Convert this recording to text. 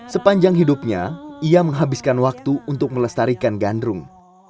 sepanjang hidupnya ia menghabiskan waktu untuk melestarikan gandrung